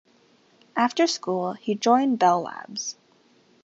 After school, he joined Bell Labs.